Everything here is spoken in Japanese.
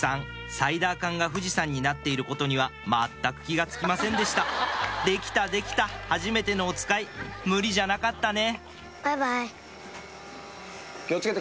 サイダーかんが富士山になっていることには全く気が付きませんでしたできたできたはじめてのおつかい無理じゃなかったね